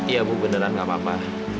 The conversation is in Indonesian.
ya bu benar tidak apa apa